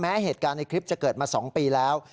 เหตุการณ์ในคลิปจะเกิดมา๒ปีแล้ว